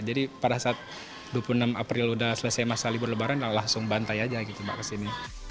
jadi pada saat dua puluh enam april sudah selesai masa libur lebaran langsung bantai aja ke sini